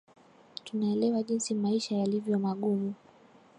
tunaelewa jinsi maisha yalivyo magumu